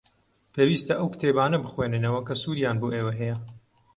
پێویستە ئەو کتێبانە بخوێننەوە کە سوودیان بۆ ئێوە هەیە.